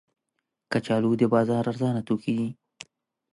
کچالو د بازار ارزانه توکي دي